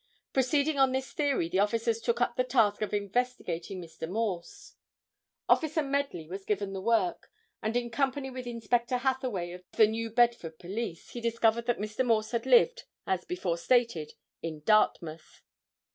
Proceeding on this theory the officers took up the task of investigating Mr. Morse. Officer Medley was given the work, and in company with Inspector Hathaway of the New Bedford police, he discovered that Mr. Morse had lived, as before stated, in Dartmouth.